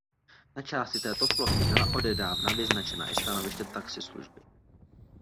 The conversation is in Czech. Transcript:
Na části této plochy byla odedávna vyznačena i stanoviště taxislužby.